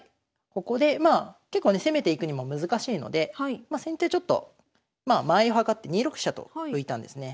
ここでまあ結構ね攻めていくにも難しいので先手ちょっとまあ間合いはかって２六飛車と浮いたんですね。